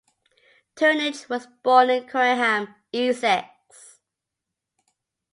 Turnage was born in Corringham, Essex.